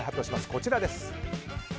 こちらです。